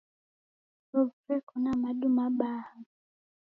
Chovu Reko na madu mabaha.